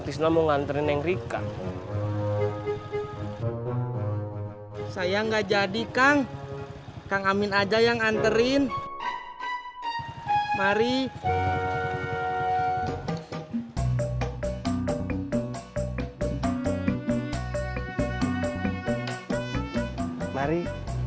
amin mau nganterin neng rika saya nggak jadi kang kang amin aja yang anterin mari mari